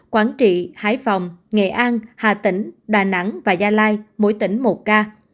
quảng trị hải phòng nghệ an hà tĩnh đà nẵng và gia lai mỗi tỉnh một ca